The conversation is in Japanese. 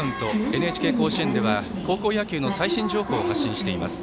ＮＨＫ甲子園では、高校野球の最新情報を発信しています。